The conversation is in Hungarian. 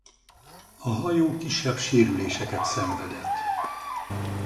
A hajó kisebb sérüléseket szenvedett.